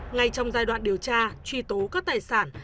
ngay trong giai đoạn điều tra truy tố các tài sản